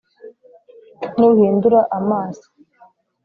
nuhindura amaso,